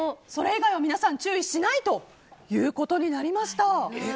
それ以外は皆さん注意しないとなりました。